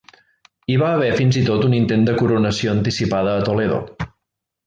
Hi va haver fins i tot un intent de coronació anticipada a Toledo.